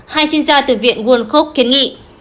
hai chuyên gia từ viện woodcock kiến nghị